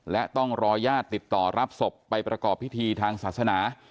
และต้องรอญาติติดต่อรับศพไปประกอบพิธีทางศาสนา